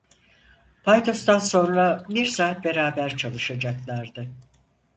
Paydostan sonra bir saat beraber çalışacaklardı.